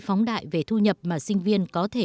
phóng đại về thu nhập mà sinh viên có thể